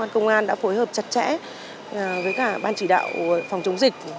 công an đã phối hợp chặt chẽ với cả ban chỉ đạo phòng chống dịch